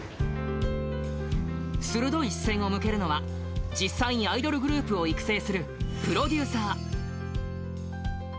鋭い視線を向けるのは、実際にアイドルグループを育成するプロデューサー。